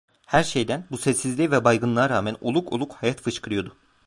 Her şeyden, bu sessizliğe ve baygınlığa rağmen, oluk oluk hayat fışkırıyordu.